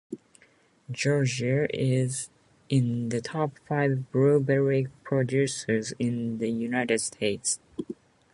Georgia is in the top five blueberry producers in the United States.